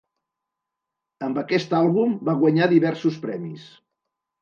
Amb aquest àlbum va guanyar diversos premis.